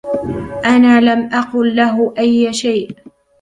أنا لم أقل لهُ أي شئ.